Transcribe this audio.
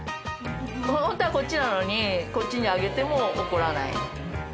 ホントはこっちなのにこっちにあげても怒らない。